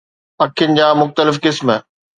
پکين جا مختلف قسم